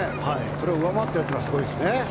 それを上回っているのはすごいですね。